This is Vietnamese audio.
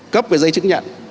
cấp cái giấy chứng nhận